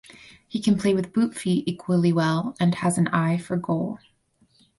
He can play with boot feet equally well and has an eye for goal.